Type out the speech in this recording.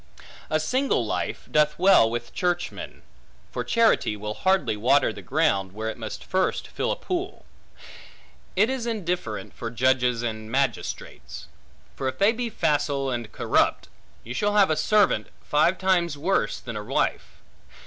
A single life doth well with churchmen; for charity will hardly water the ground, where it must first fill a pool. It is indifferent for judges and magistrates; for if they be facile and corrupt, you shall have a servant, five times worse than a wife.